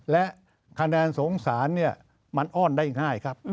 และคะแนนสงสารเนี่ยมันอ้อนได้ง่ายครับ